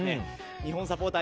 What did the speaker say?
日本サポーター